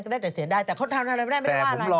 ได้แต่เสียดายแต่เขาทำอะไรไม่ได้ไม่ได้ว่าอะไร